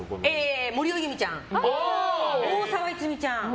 森尾由美ちゃん大沢逸美ちゃん